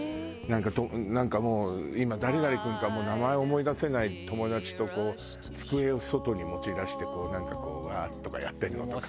なんか今誰々君かもう名前思い出せない友達と机を外に持ち出してなんかこううわー！とかやってるのとか。